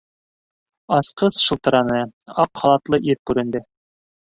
Асҡыс шылтыраны, аҡ халатлы ир күренде.